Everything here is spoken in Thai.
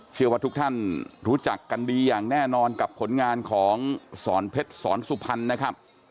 เชื่อว่าทุกท่านรู้จักกันดีอย่างแน่นอนกับผลงานของสอนเพชรสอนสุพรรณนะครับ